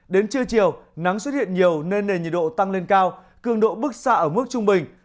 đến trưa chiều nắng xuất hiện nhiều nên nền nhiệt độ tăng lên cao cường độ bức xa ở mức trung bình